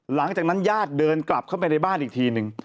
หลังจากนั้นญาติเดินกลับเข้าไปในบ้านอีกทีนึง